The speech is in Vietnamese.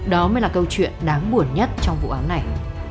đó mới là câu chuyện đáng buồn nhất trong vụ án này